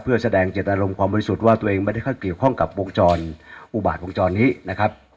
เพื่อแสดงเจตนารมณ์ความบริสุทธิ์ว่าตัวเองไม่ได้เข้าเกี่ยวข้องกับวงจรอุบาตวงจรนี้นะครับ